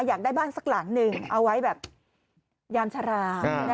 อยากได้บ้านสักหลังหนึ่งเอาไว้แบบยามชรา